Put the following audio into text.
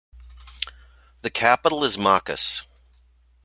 The capital is Macas.